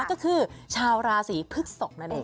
ก็คือชาวราศีพฤกษกนั่นเอง